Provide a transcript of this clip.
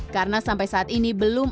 karena sampai saat ini belum